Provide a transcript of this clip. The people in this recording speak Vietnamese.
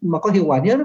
mà có hiệu quả nhất